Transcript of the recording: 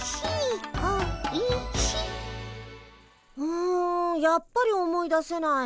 うんやっぱり思い出せない。